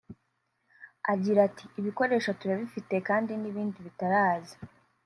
Agira ati “Ibikoresho turabifite kandi n’ibindi bitaraza